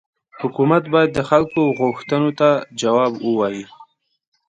حکومت باید د خلکو غوښتنو ته جواب ووايي.